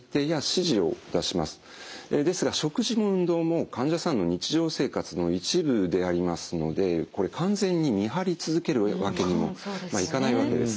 ですが食事も運動も患者さんの日常生活の一部でありますので完全に見張り続けるわけにもいかないわけですね。